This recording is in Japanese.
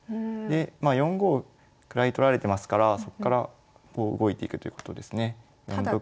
まあ４五位取られてますからそっからこう動いていくということですね。